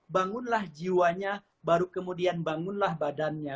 bangunlah jiwanya baru kemudian bangunlah badannya